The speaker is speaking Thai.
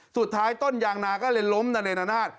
สุดท้ายต้นยางนาก็เร่งล้มระเนลนาด